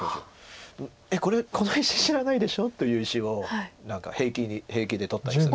「えっこれこの石死なないでしょ」という石を何か平気で取ったりする。